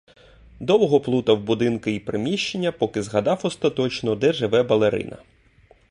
Довго плутав будинки й приміщення, поки згадав остаточно, де живе балерина.